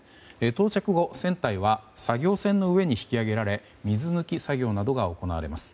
到着後、船体は作業船の上に引き揚げられ水抜き作業などが行われます。